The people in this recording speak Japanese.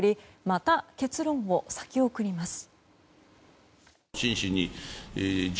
また、結論を先送ります。